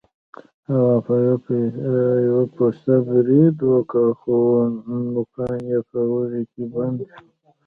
هغه په یو پسه برید وکړ خو نوکان یې په وړۍ کې بند شول.